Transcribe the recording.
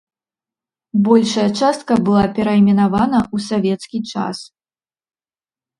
Большая частка была перайменавана ў савецкі час.